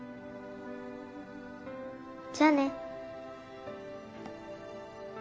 じゃあね。